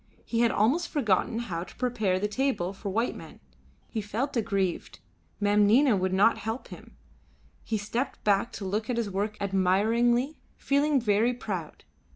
He had almost forgotten how to prepare the table for white men. He felt aggrieved; Mem Nina would not help him. He stepped back to look at his work admiringly, feeling very proud.